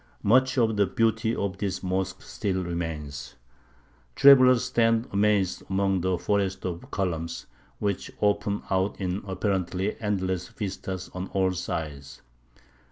Much of the beauty of this mosque still remains. Travellers stand amazed among the forest of columns, which open out in apparently endless vistas on all sides.